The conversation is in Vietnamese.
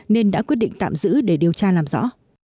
nên đã quyết định tạm giữ để điều tra làm rõ